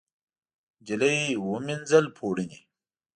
نجلۍ ومینځل پوړني